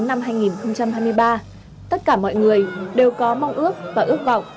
năm hai nghìn hai mươi ba tất cả mọi người đều có mong ước và ước vọng